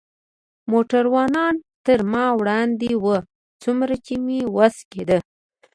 موټروانان تر ما وړاندې و، څومره چې مې وس کېده.